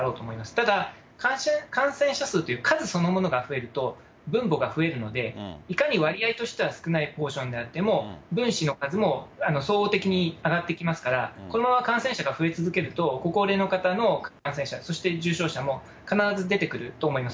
ただ、感染者数という数そのものが増えると、分母が増えるので、いかに割合としては少ないポーションであっても、分子の数も相応的に上がってきますから、このまま感染者が増え続けると、ご高齢者の感染者、重症者も、必ず出てくると思います。